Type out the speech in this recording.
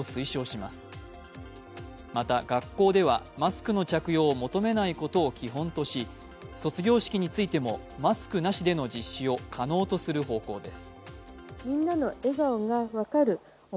また学校では、マスクの着用を求めないことを基本とし、卒業式についても、マスクなしでの実施を可能とする方向です。